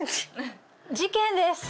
事件です。